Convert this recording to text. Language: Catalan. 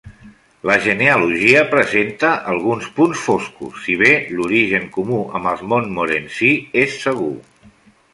La genealogia presenta alguns punts foscos si bé l'origen comú amb els Montmorency és segur.